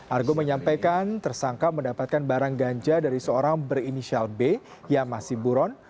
argo menyampaikan tersangka mendapatkan barang ganja dari seorang berinisial b yang masih buron